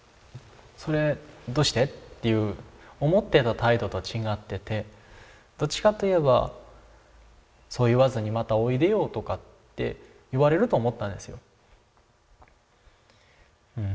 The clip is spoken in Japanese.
それどうして？っていう思ってた態度と違っててどっちかといえば「そう言わずにまたおいでよ」とかって言われると思ったんですよ。